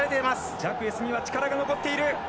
ジャクエスには力が残っている。